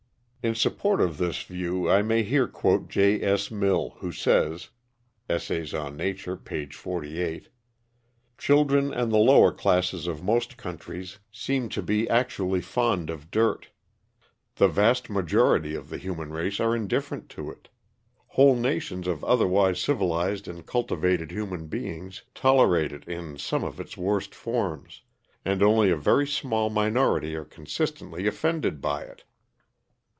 In support of this view I may here quote J. S. Mill, who says ("Essay on Nature," p. 48): "Children and the lower classes of most countries seem to be actually fond of dirt: the vast majority of the human race are indifferent to it: whole nations of otherwise civilised and cultivated human beings tolerate it in some of its worst forms, and only a very small minority are consistently offended by it.